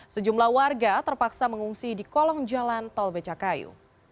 sejumlah warga terpaksa mengungsi di kolong jalan tol becakayu